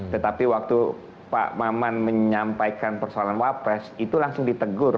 tetapi waktu pak maman menyampaikan persoalan wapres itu langsung ditegur